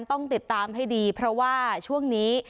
ต้องติดตามให้ดีเพราะว่าช่วงนี้